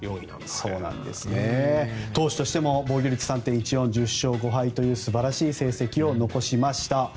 投手としても防御率３．１４１０勝５敗という素晴らしい成績を残しました。